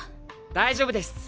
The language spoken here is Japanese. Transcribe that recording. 大丈夫です。